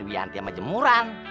wianti sama jemuran